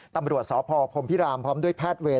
ตำรวจสพพรมพิรามพร้อมด้วยแพทย์เวร